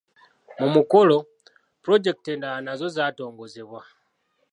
Mu mukolo, pulojekiti endala nazo zaatongozebwa.